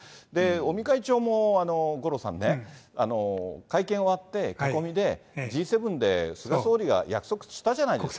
尾身会長も五郎さんね、会見おわって、囲みで、Ｇ７で菅総理が約束したじゃないですか。